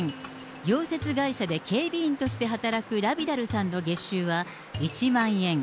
溶接会社で警備員として働くラビダルさんの月収は１万円。